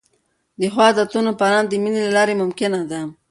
د ښو عادتونو پالنه د مینې له لارې ممکنه ده.